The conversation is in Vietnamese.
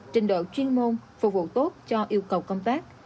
trình độ chuyên môn phục vụ tốt cho yêu cầu công tác